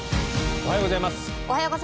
おはようございます。